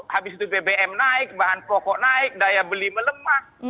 habis itu bbm naik bahan pokok naik daya beli melemah